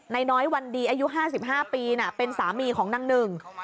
น้อยวันดีอายุ๕๕ปีเป็นสามีของนางหนึ่ง